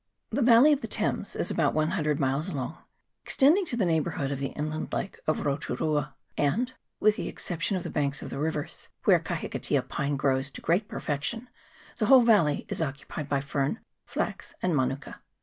The valley of the Thames is about one hundred miles long, extending to the neighbourhood of the inland lake of Roturua, and, with the exception of the banks of the rivers, where the kahikatea pine T 2 276 AUCKLAND. [PART II. grows to great perfection, the whole valley is occu pied by fern, flax, and manuka.